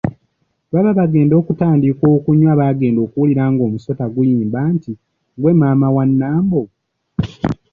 Baba bagenda okutandika okunywa bagenda okuwulira ng’omusota guyimba nti, “gwe maama wa Nambo?"